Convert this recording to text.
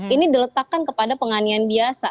ini diletakkan kepada penganian biasa